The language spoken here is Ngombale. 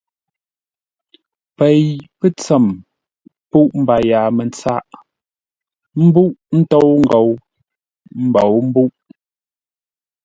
Pei pə́tsəm, púʼ mbaya mətsâʼ, mbúʼ ə ntôu ngou, mbǒu mbúʼ.